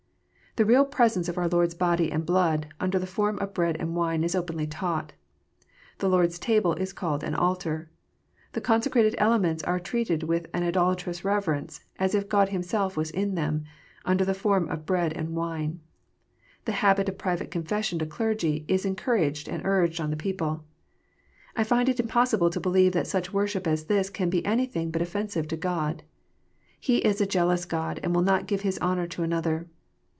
The real presence of our Lord s body and blood under the form of bread and wine is openly taught. The Lord s Table is called an altar. The con secrated elements are treated with an idolatrous reverence, as if God Himself was in them, under the form of bread and wine. The habit of private confession to clergymen, is encour aged and urged on the people. I find it impossible to believe that such worship as this can be anything but offensive to God. He is a jealous God, and will not give His honour to another.